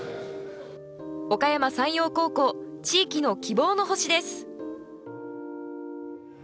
おかやま山陽高校地域の希望の星です。